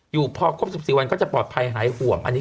อยู่พอครบ๑๔วันก็จะปลอดภัยหายห่วง